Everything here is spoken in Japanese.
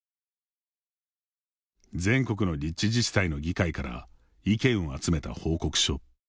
全国の立地自治体の議会から意見を集めた報告書。